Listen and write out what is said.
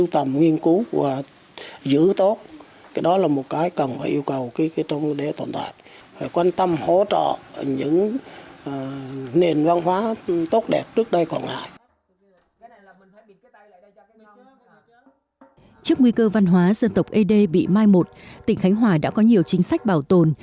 trước nguy cơ văn hóa dân tộc ế đê bị mai một tỉnh khánh hòa đã có nhiều chính sách bảo tồn